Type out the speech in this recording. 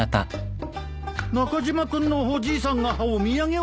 中島君のおじいさんがお土産を持って？